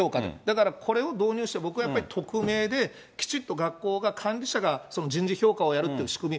だから、これを導入して、僕はやっぱり匿名で、きちっと学校が、管理者がその人事評価をやるっていう仕組み。